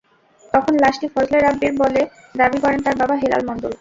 তখন লাশটি ফজলে রাব্বীর বলে দাবি করেন তাঁর বাবা হেলাল মণ্ডল।